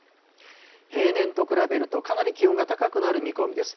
平年と比べるとかなり気温が高くなる見込みです。